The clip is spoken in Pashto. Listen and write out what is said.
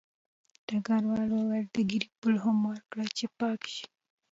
ډګروال وویل د ږیرې پل هم ورکړه چې پاک شي